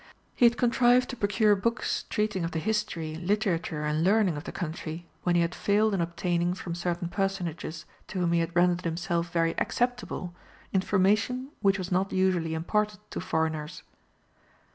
He had contrived to procure books treating of the history, literature, and learning of the country, when he had failed in obtaining from certain personages to whom he had rendered himself very acceptable, information which was not usually imparted to foreigners.